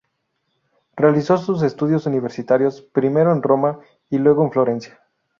Realizó sus estudios universitarios primero en Roma y luego en Florencia.